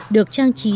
được trang trí